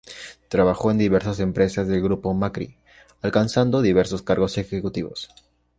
Trabajó en diversas empresas del Grupo Macri, alcanzando diversos cargos ejecutivos.